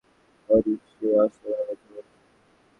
ও নিশ্চয়ই অসহায়ভাবে দৌড়েছে।